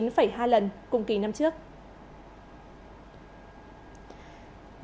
gấp một mươi chín hai lần cùng kỳ năm trước